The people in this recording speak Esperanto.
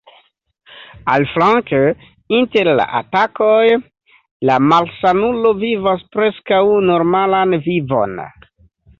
Aliflanke, inter la atakoj, la malsanulo vivas preskaŭ normalan vivon.